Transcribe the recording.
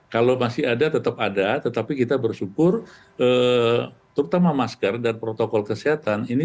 kalau masih ada tetap ada tetapi kita bersyukur terutama masker dan protokol kesehatan ini